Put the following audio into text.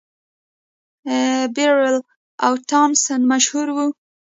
بیربل او تانسن مشهور وو.